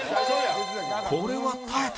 これは耐えた！